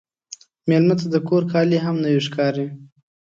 مېلمه ته د کور کالي هم نوی ښکاري.